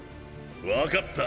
分かった！